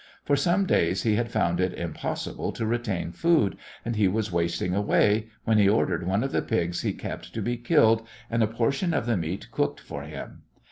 For some days he had found it impossible to retain food, and he was wasting away, when he ordered one of the pigs he kept to be killed and a portion of the meat cooked for him.